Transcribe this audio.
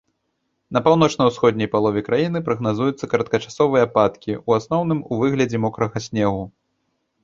На паўночна-ўсходняй палове краіны прагназуюцца кароткачасовыя ападкі, у асноўным у выглядзе мокрага снегу.